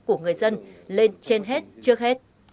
của người dân lên trên hết trước hết